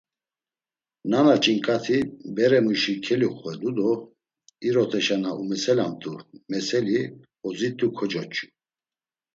Nana ç̌inǩati beremuşi keluxedu do iroteşa na umeselamt̆u meseli ozit̆u kocoç̌u.